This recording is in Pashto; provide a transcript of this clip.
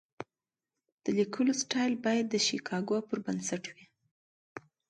د لیکلو سټایل باید د شیکاګو پر بنسټ وي.